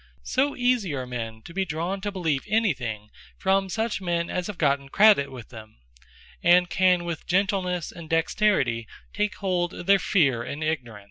So easie are men to be drawn to believe any thing, from such men as have gotten credit with them; and can with gentlenesse, and dexterity, take hold of their fear, and ignorance.